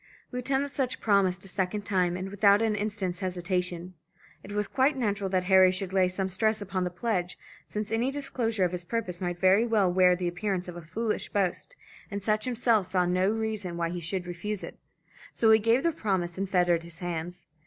Lieutenant Sutch promised a second time and without an instant's hesitation. It was quite natural that Harry should lay some stress upon the pledge, since any disclosure of his purpose might very well wear the appearance of a foolish boast, and Sutch himself saw no reason why he should refuse it. So he gave the promise and fettered his hands.